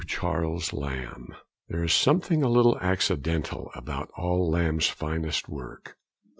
CHARLES LAMB I There is something a little accidental about all Lamb's finest work.